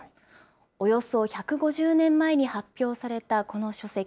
およそ１５０年前に発表されたこの書籍。